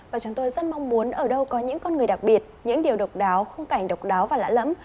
và chúng tôi rất mong muốn ở đâu có những con người đặc biệt những điều độc đáo khung cảnh độc đáo và lạ lẫm